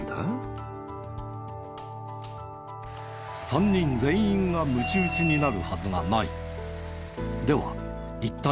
０．５Ｇは３人全員がむち打ちになるはずがない。